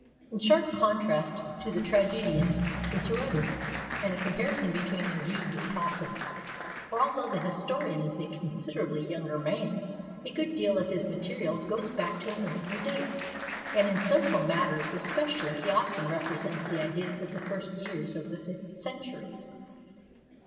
In sharp contrast to the tragedian is Herodotus, and a com parison between their views is possible, for, although the historian is a considerably younger man, a good deal of his material goes back to an earlier date, and in social matters especially he often represents the ideas of the first years of the fifth century.